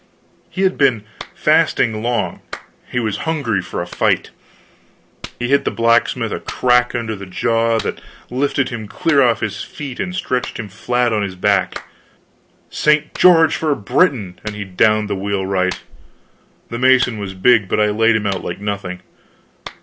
He had been fasting long, he was hungry for a fight. He hit the blacksmith a crack under the jaw that lifted him clear off his feet and stretched him flat on his back. "St. George for Britain!" and he downed the wheelwright. The mason was big, but I laid him out like nothing.